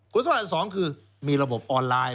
คุณศพอันส่องคือมีระบบออนไลน์